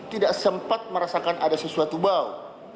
tidak sempat merasakan ada sesuatu bau